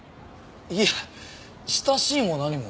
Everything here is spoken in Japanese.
いや親しいも何も。